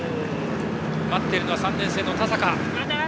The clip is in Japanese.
待っているのは３年生の田坂。